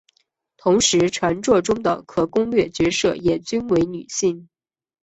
同时全作中的可攻略角色也均为女性。